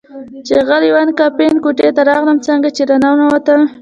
چې اغلې وان کمپن کوټې ته راغلل، څنګه چې را ننوتل.